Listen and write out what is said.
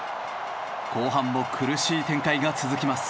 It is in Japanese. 後半も苦しい展開が続きます。